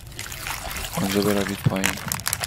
آنجا بروید پایین.